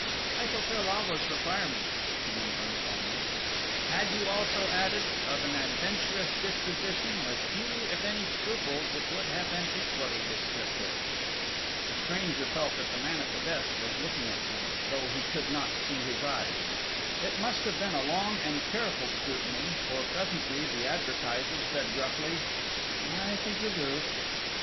I fulfill all those requirements," he went on calmly; "had you also added, of an adventurous disposition, with few if any scruples, it would have been equally descriptive." The stranger felt that the man at the desk was looking at him, though he could not see his eyes. It must have been a long and careful scrutiny, for presently the advertiser said gruffly: "I think you'll do."